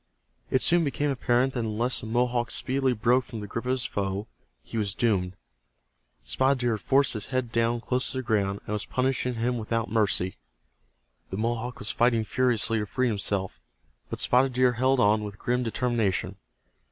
It soon became apparent that unless the Mohawk speedily broke from the grip of his foe he was doomed. Spotted Deer had forced his head down close to the ground, and was punishing him without mercy. The Mohawk was fighting furiously to free himself, but Spotted Deer held on with grim determination.